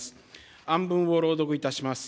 案文を朗読いたします。